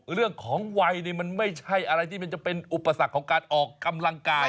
เรื่องของวัยนี่มันไม่ใช่อะไรที่มันจะเป็นอุปสรรคของการออกกำลังกาย